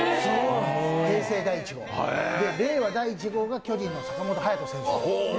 平成第１号、令和になっての１号が巨人の坂本勇人選手。